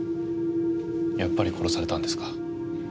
やっぱり殺されたんですか。